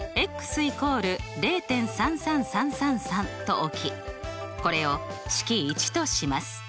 まず＝０．３３３３３と置きこれを式①とします。